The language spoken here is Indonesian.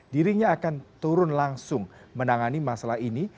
dirinya akan turun langsung menangani masalah ini